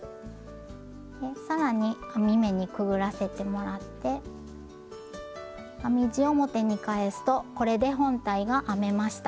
更に編み目にくぐらせてもらって編み地を表に返すとこれで本体が編めました。